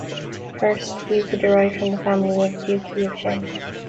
First, Hu could derive from the family of Duke Hu of Chen.